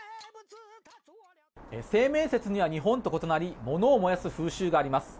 清明節には日本と異なり物を燃やす風習があります。